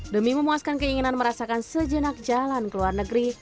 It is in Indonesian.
demi memuaskan keinginan merasakan sejenak jalan ke luar negeri